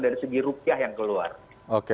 dari segi rupiah yang keluar oke